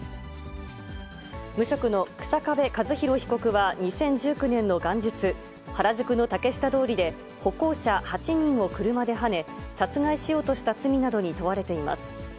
無職の日下部和博被告は２０１９年の元日、原宿の竹下通りで歩行者８人を車ではね、殺害しようとした罪などに問われています。